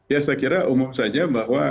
ya saya kira umum saja bahwa